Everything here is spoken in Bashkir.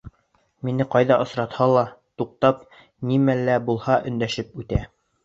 Мине ҡайҙа осратһа ла, туҡтап, нимә лә булһа өндәшеп үтә.